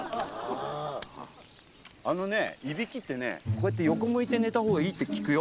あのねいびきってねこうやって横向いて寝たほうがいいって聞くよ。